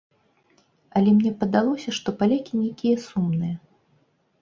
Але мне падалося, што палякі нейкія сумныя.